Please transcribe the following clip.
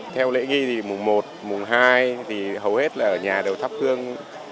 theo lễ nghi mùa một mùa hai hầu hết ở nhà đều thắp hương